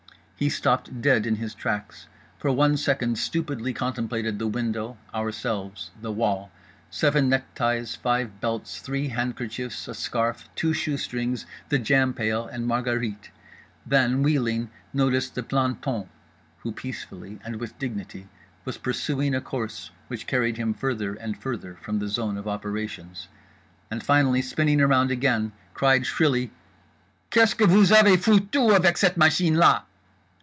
He stopped dead in his tracks; for one second stupidly contemplated the window, ourselves, the wall, seven neckties, five belts, three handkerchiefs, a scarf, two shoe strings, the jam pail, and Margherite—then, wheeling, noticed the planton (who peacefully and with dignity was pursuing a course which carried him further and further from the zone of operations) and finally, spinning around again, cried shrilly "_Qu'est ce que vous avez foutu avec cette machine là?